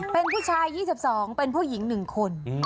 เป็นผู้ชาย๒๒เป็นผู้หญิง๑คน